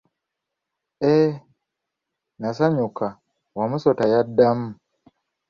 Eee, naasanyuka, Wamusota yaddamu.